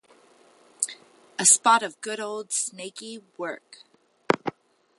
A spot of the good old snaky work.